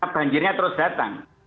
banjirnya terus datang